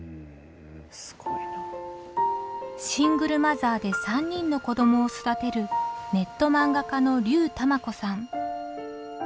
シングルマザーで３人の子どもを育てるネット漫画家の龍たまこさん。